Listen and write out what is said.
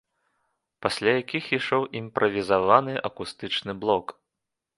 Пасля якіх ішоў імправізаваны акустычны блок.